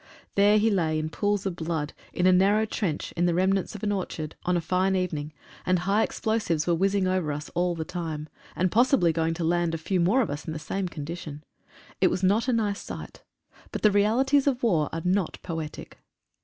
There he lay in pools of blood, in a narrow trench, in the remnants of an orchard, 105 A CATAPULT ENGINE. on a fine evening, and high explosives were whizzing over us all the time, and possibly going to land a few more of us in the same condition. It was not a nice sight, but the realities of war are not poetic.